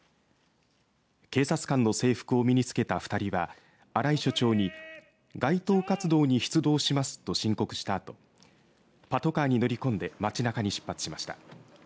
警察官の制服を身につけた２人は荒井署長に街頭活動に出動しますと申告したあとパトカーに乗り込んで街なかに出発しました。